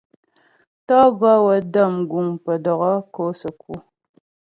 Teguə wə́ dəm guŋ pə́ dɔkɔ́ kɔ səku.